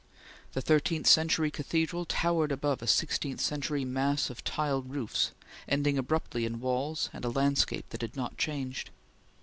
The thirteenth century cathedral towered above a sixteenth century mass of tiled roofs, ending abruptly in walls and a landscape that had not changed.